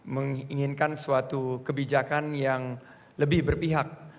menginginkan suatu kebijakan yang lebih berpihak